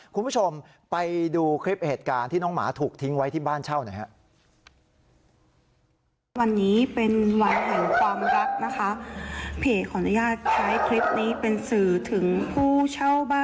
คุณผู้ชมไปดูคลิปเหตุการณ์ที่น้องหมาถูกทิ้งไว้ที่บ้านเช่าหน่อยครับ